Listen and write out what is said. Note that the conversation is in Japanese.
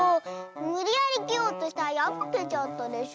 むりやりきようとしたらやぶけちゃったでしょ！